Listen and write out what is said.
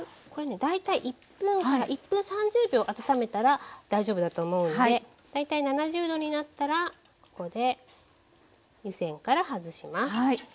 これね大体１分１分３０秒温めたら大丈夫だと思うので大体７０℃になったらここで湯煎から外します。